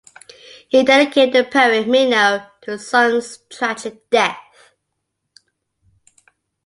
He dedicated the poem "Mino" to his son's tragic death.